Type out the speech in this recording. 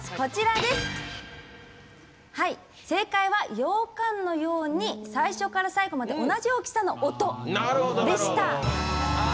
では正解は「羊羹のように最初から最後まで同じ大きさの音」でした。